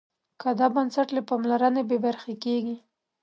که دا بنسټ له پاملرنې بې برخې کېږي.